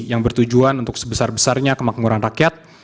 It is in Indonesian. yang bertujuan untuk sebesar besarnya kemakmuran rakyat